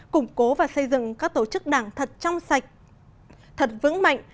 củng cố và xây dựng các tổ chức đảng thật trong sạch thật vững mạnh